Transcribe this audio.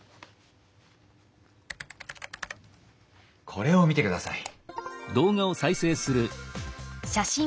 これを見てください。